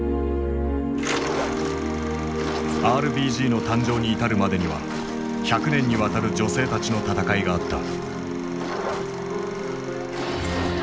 ＲＢＧの誕生に至るまでには百年にわたる女性たちの闘いがあった。